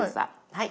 はい。